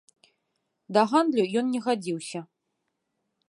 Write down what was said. Да гандлю ён не гадзіўся.